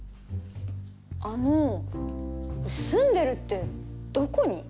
あの住んでるってどこに？